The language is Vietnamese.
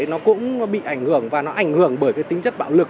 nó cũng bị ảnh hưởng và nó ảnh hưởng bởi cái tính chất bạo lực